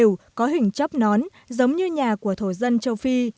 đều có hình chắp nón giống như nhà của thổ dân châu phi